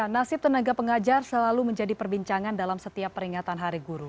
nasib tenaga pengajar selalu menjadi perbincangan dalam setiap peringatan hari guru